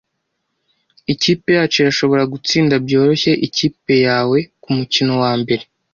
Ikipe yacu irashobora gutsinda byoroshye ikipe yawe kumukino wambere.